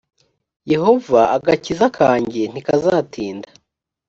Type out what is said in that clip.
yehova agakiza kanjye ntikazatinda